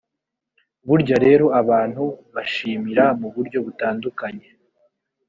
burya rero abantu bashimira mu buryo butandukanye